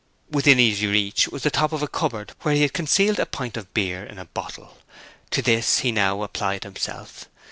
Within easy reach was the top of a cupboard where he had concealed a pint of beer in a bottle. To this he now applied himself.